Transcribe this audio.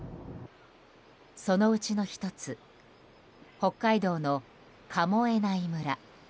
そのうちの１つ北海道の神恵内村。